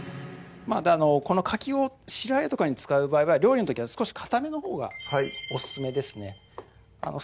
このかきを白和えとかに使う場合は料理の時は少しかためのほうがオススメですねか